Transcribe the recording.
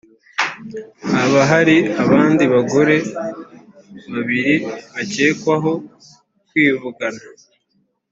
haba hari abandi bagore babiri bakekwaho kwivugana